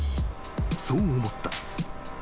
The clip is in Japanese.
［そう思った］